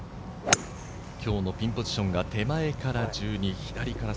今日のピンポジションが手前から１２、左から３。